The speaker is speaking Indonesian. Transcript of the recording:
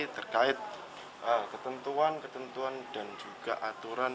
terkait ketentuan ketentuan dan juga aturan